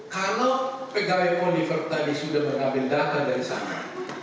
kalau pegawai kondiver tadi sudah mengambil data dari sana